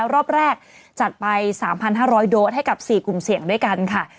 รอบแรกจัดไปสามพันห้าร้อยโดดให้กับสี่กลุ่มเสี่ยงด้วยกันค่ะ